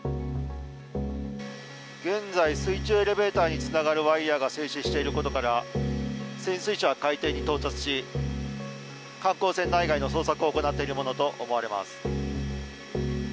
現在、水中エレベーターにつながるワイヤーが静止していることから、潜水士は海底に到着し、観光船内外の捜索を行っているものと思われます。